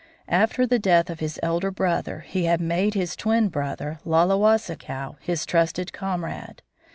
After the death of his elder brother he had made his twin brother, Laulewasikaw, his trusted comrade.